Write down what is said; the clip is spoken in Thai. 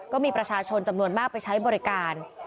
ก็มีประชาชนจำนวนมากไปใช้บริการ